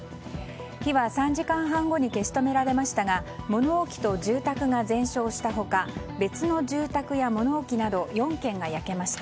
日は３時半後に消し止められましたが物置と住宅が全焼した他別の住宅や物置など４軒が焼けました。